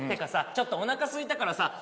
ちょっとお腹すいたからさ。